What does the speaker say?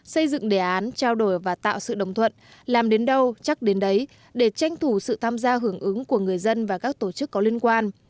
xây dựng đề án trao đổi và tạo sự đồng thuận làm đến đâu chắc đến đấy để tranh thủ sự tham gia hưởng ứng của người dân và các tổ chức có liên quan